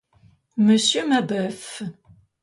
Monsieur Mabeuf!